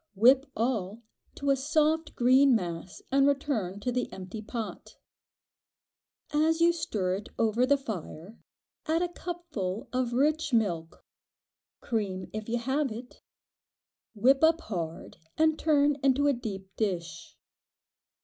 Whip all to a soft green mass and return to the empty pot. As you stir it over the fire add a cupful of rich milk—cream, if you have it—whip up hard and turn into a deep dish.